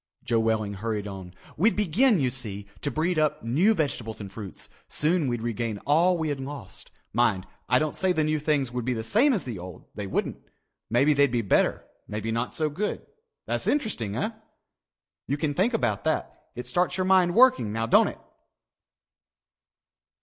Joe Welling hurried on. "We'd begin, you see, to breed up new vegetables and fruits. Soon we'd regain all we had lost. Mind, I don't say the new things would be the same as the old. They wouldn't. Maybe they'd be better, maybe not so good. That's interesting, eh? You can think about that. It starts your mind working, now don't it?"